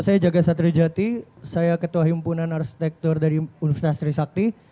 saya jaga satrijati saya ketua himpunan arsitektur dari universitas trisakti